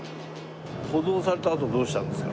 補導されたあとどうしたんですか？